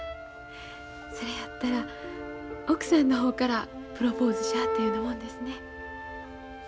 それやったら奥さんの方からプロポーズしはったようなもんですね。